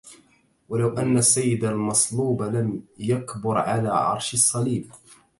ولو أن السيد المصلوب لم يكبر على عرش الصليب